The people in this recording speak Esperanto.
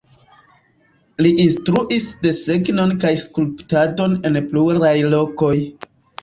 Li instruis desegnon kaj skulptadon en pluraj lokoj.